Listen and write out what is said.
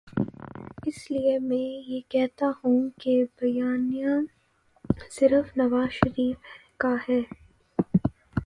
اس لیے میں یہ کہتا ہوں کہ بیانیہ صرف نوازشریف کا ہے۔